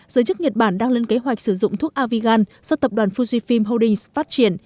giới chức nhật bản đang lên kế hoạch sử dụng thuốc avigan do tập đoàn fujifim holdings phát triển